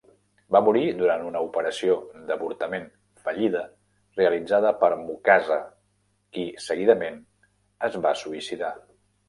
Va morir durant una operació d'avortament fallida realitzada per Mukasa, qui seguidament es va suïcidar.